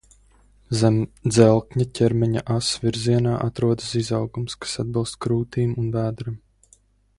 Zem dzelkņa ķermeņa ass virzienā atrodas izaugums, kas atbilst krūtīm un vēderam.